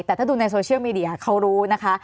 แต่ถ้าดูในโซเชียลมีเดียเขารู้นะคะ